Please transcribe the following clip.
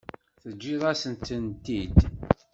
Teǧǧiḍ-as-tent-id?